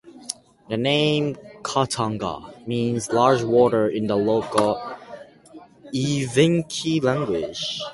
The name Khatanga means "large water" in the local Evenki language.